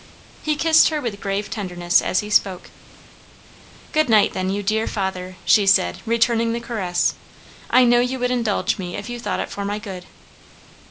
He kissed her with grave tenderness as he spoke. "Good night then, you dear father," she said, returning the caress. "I know you would indulge me if you thought it for my good."